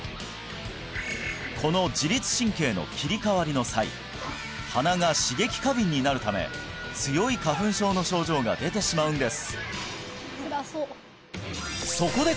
この自律神経の切り替わりの際鼻が刺激過敏になるため強い花粉症の症状が出てしまうんです